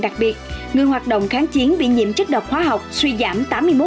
đặc biệt người hoạt động kháng chiến bị nhiễm chất độc hóa học suy giảm tám mươi một